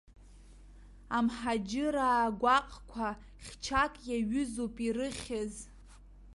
Амҳаџьыраа гәаҟқәа, хьчак иҩызоуп ирыхьыз.